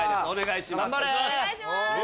お願いします。